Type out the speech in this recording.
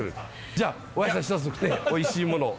じゃあおやじさん１つおいしいものを。